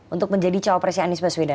untuk menjadi cawapresnya anies baswedan